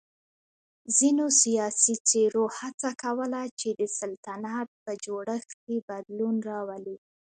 ځینو سیاسی څېرو هڅه کوله چې د سلطنت په جوړښت کې بدلون راولي.